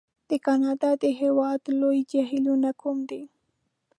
د کانادا د هېواد لوی جهیلونه کوم دي؟